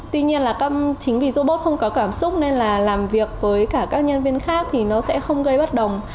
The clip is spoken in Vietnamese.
tuy nhiên là tâm chính vì robot không có cảm xúc nên là làm việc với cả các nhân viên khác thì nó sẽ không gây bất đồng